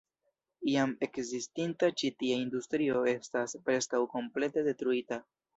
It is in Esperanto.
Iam ekzistinta ĉi tie industrio estas preskaŭ komplete detruita.